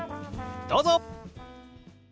どうぞ！